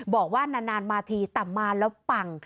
บอกว่านานมาทีแต่มาแล้วปัง